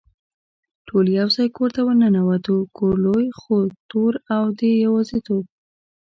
ټول یو ځای کور ته ور ننوتو، کور لوی خو تور او د یوازېتوب.